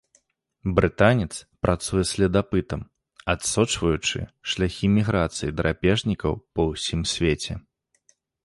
Брытанец працуе следапытам, адсочваючы шляхі міграцыі драпежнікаў па ўсім свеце.